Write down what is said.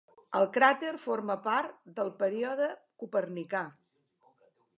El cràter forma part del Període Copernicà.